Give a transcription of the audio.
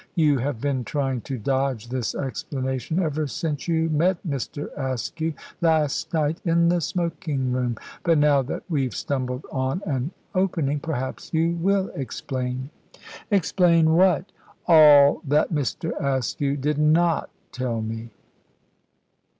You have been trying to dodge this explanation ever since you met Mr. Askew last night, in the smoking room. But now that we've stumbled on an opening, perhaps you will explain." "Explain what?" "All that Mr. Askew did not tell me."